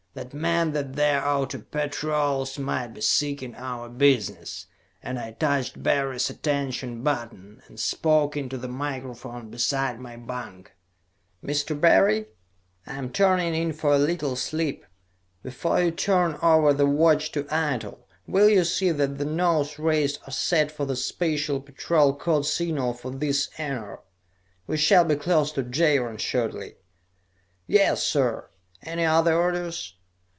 That meant that their outer patrols might be seeking our business, and I touched Barry's attention button, and spoke into the microphone beside my bunk. "Mr. Barry? I am turning in for a little sleep. Before you turn over the watch to Eitel, will you see that the nose rays are set for the Special Patrol code signal for this enar. We shall be close to Jaron shortly." "Yes, sir! Any other orders?"